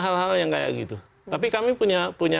hal hal yang kayak gitu tapi kami punya punya